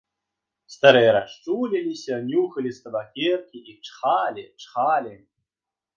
Старыя расчуліліся, нюхалі з табакеркі і чхалі, чхалі.